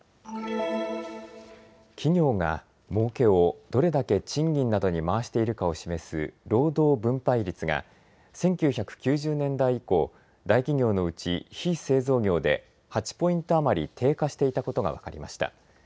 企業がもうけをどれだけ賃金などに回しているかを示す労働分配率が、１９９０年代以降、大企業のうち、非製造業で、８ポイント余り低下していたことが分かりました。